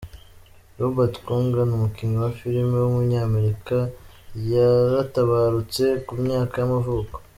Robert Coogan, umukinnyi wa filime w’umunyamerikayaratabarutse, ku myaka y’amavuko.